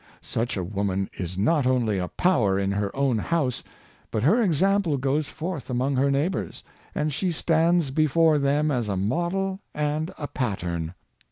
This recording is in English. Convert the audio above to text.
Such a woman is not only a power in her own house, but her example goes forth among her neigh bors, and she stands before them as a model and a pat tern.